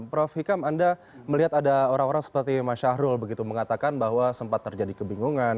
prof hikam anda melihat ada orang orang seperti mas syahrul begitu mengatakan bahwa sempat terjadi kebingungan